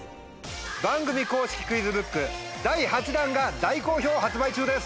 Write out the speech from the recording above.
番組公式クイズブック第８弾が大好評発売中です！